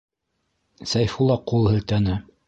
- Сәйфулла ҡул һелтәне.